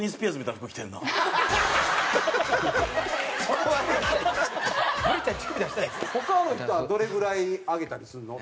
他の人はどれぐらい上げたりするの？